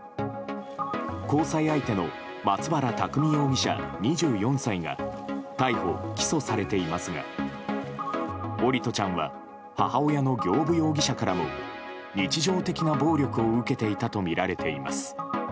交際相手の松原拓海容疑者、２４歳が逮捕・起訴されていますが桜利斗ちゃんは母親の行歩容疑者からも日常的な暴力を受けていたとみられています。